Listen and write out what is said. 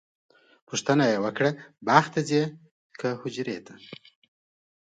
پوښتنه یې وکړه باغ ته ځئ که حجرې ته؟